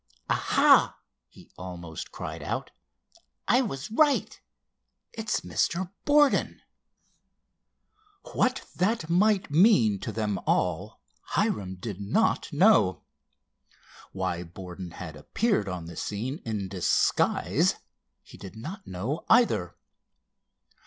"Aha!" he almost cried out. "I was right. It's Mr. Borden." What that might mean to them all Hiram did not know. Why Borden had appeared on the scene in disguise he did not know, either.